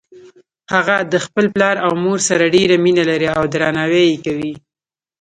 هغه د خپل پلار او مور سره ډیره مینه لری او درناوی یی کوي